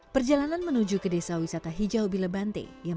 perjalanan menuju ke desa tersebut adalah sebuah perjalanan yang sangat berhasil